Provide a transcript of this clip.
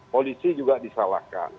polisi juga disalahkan